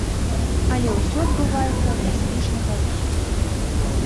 Але ўсё адбываецца без лішняга ляманту.